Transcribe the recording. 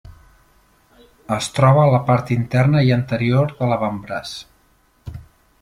Es troba a la part interna i anterior de l'avantbraç.